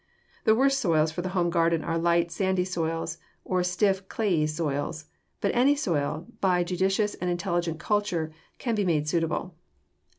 The worst soils for the home garden are light, sandy soils, or stiff, clayey soils; but any soil, by judicious and intelligent culture, can be made suitable.